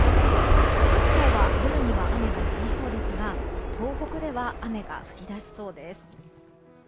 関東は夜には雨がやみそうですが東北では雨が降り出しそうです。